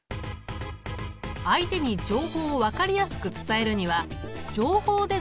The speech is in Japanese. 相手に情報を分かりやすく伝えるには情報デザインが役立つぞ。